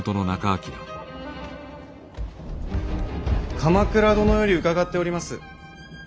鎌倉殿より伺っております。